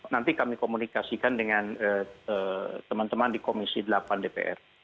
nanti kami komunikasikan dengan teman teman di komisi delapan dpr